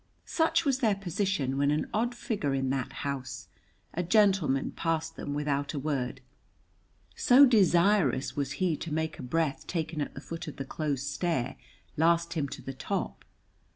Such was their position when an odd figure in that house, a gentleman, passed them without a word, so desirous was he to make a breath taken at the foot of the close stair last him to the top.